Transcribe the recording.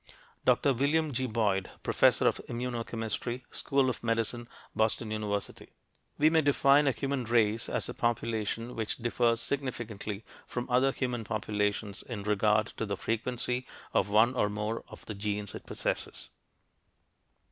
Dr. William G. Boyd, professor of Immunochemistry, School of Medicine, Boston University: "We may define a human race as a population which differs significantly from other human populations in regard to the frequency of one or more of the genes it possesses."